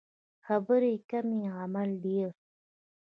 خبرې کمې عمل ډیر